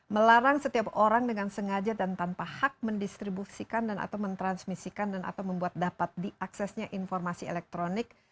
melarang setiap orang dengan sengaja dan tanpa hak mendistribusikan dan atau mentransmisikan dan atau membuat dapat diaksesnya informasi elektronik